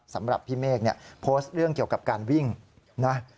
สำหรับพี่เมฆเนี่ยโพสต์เรื่องเกี่ยวกับการวิ่งนะ